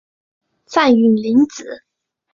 范允临子。